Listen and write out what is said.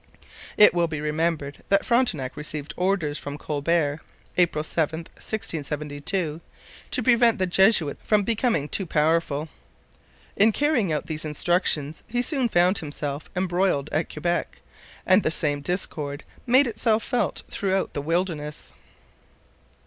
It will be remembered that Frontenac received orders from Colbert (April 7, 1672) to prevent the Jesuits from becoming too powerful. In carrying out these instructions he soon found himself embroiled at Quebec, and the same discord made itself felt throughout the wilderness.